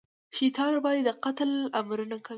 شیطان ورباندې د قتل امرونه کوي.